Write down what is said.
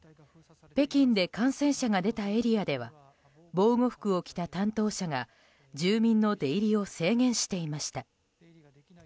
北京で感染者が出たエリアでは防護服を着た担当者が住民の出入りを制限していました。